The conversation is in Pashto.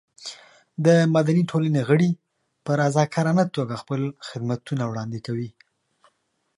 د مدني ټولنې غړي په رضاکارانه توګه خپل خدمتونه وړاندې کوي.